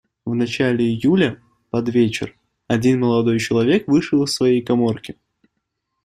В начале июля, под вечер, один молодой человек вышел из своей каморки.